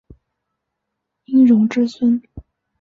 殷融之孙。